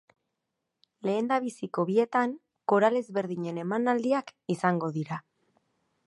Lehendabiziko bietan koral ezberdinen emanaldiak izango dira.